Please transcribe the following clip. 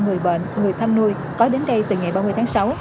người bệnh người thăm nuôi có đến đây từ ngày ba mươi tháng sáu